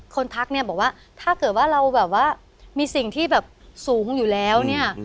ทักเนี่ยบอกว่าถ้าเกิดว่าเราแบบว่ามีสิ่งที่แบบสูงอยู่แล้วเนี่ย